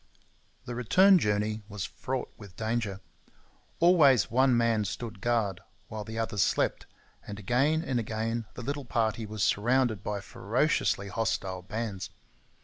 The return journey was fraught with danger. Always one man stood guard while the others slept; and again and again the little party was surrounded by ferociously hostile bands.